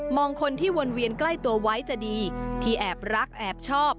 คนที่วนเวียนใกล้ตัวไว้จะดีที่แอบรักแอบชอบ